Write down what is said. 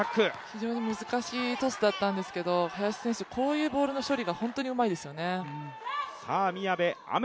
非常に難しいトスだったんですけど林選手、こういうボールの処理が本当にうまいですよね。